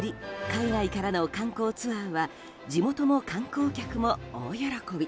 海外からの観光ツアーは地元の観光客も大喜び。